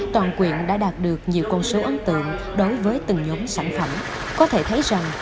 toàn quyện đã đạt được nhiều con số ấn tượng đối với từng nhóm sản phẩm có thể thấy rằng